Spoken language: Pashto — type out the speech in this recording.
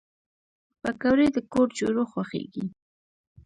پکورې د کور جوړو خوښېږي